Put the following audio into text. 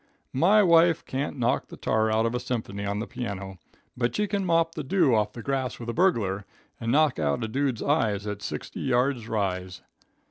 "My wife can't knock the tar out of a symphony on the piano, but she can mop the dew off the grass with a burglar, and knock out a dude's eyes at sixty yards rise.